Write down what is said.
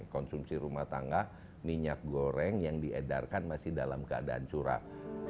konsumsi rumah tangga minyak goreng yang diedarkan masih dalam keadaan curah